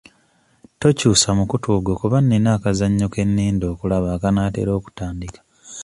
Tokyusa mukutu ogwo kuba nina akazannyo ke ninda okulaba akanaatera okutandika.